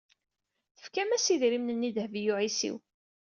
Tefkam-as idrimen-nni i Dehbiya u Ɛisiw.